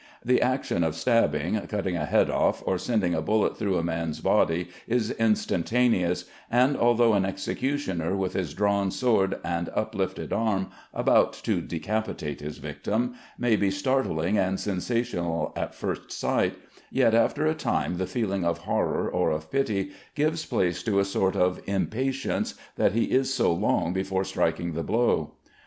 The action of stabbing, cutting a head off, or sending a bullet through a man's body, is instantaneous; and although an executioner, with his drawn sword and uplifted arm about to decapitate his victim, may be startling and sensational at first sight, yet after a time the feeling of horror or of pity gives place to a sort of impatience that he is so long before striking the blow.